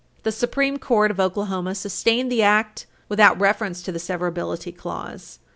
The Supreme Court of Oklahoma sustained the Act without reference to the severability clause.